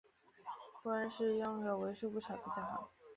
波恩市拥有为数不少的教堂。